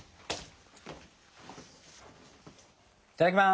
いただきます。